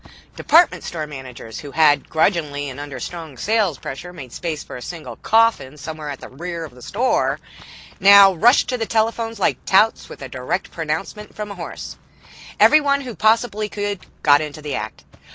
Department store managers who had, grudgingly and under strong sales pressure, made space for a single coffin somewhere at the rear of the store, now rushed to the telephones like touts with a direct pronouncement from a horse. Everyone who possibly could got into the act.